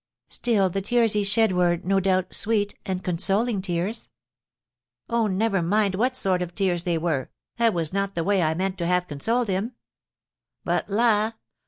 "Still, the tears he shed were, no doubt, sweet and consoling tears!" "Oh, never mind what sort of tears they were, that was not the way I meant to have consoled him. But la!